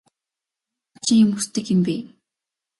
Юун хачин юм хүсдэг юм бэ?